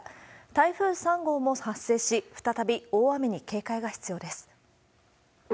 台風３号も発生し、再び大雨に警戒が必要です。